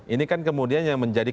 ini kan kemudian yang menjadi